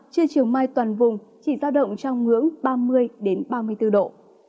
chiều chiều mai toàn vùng chỉ ra động trong ngưỡng ba mươi đến ba mươi bốn độ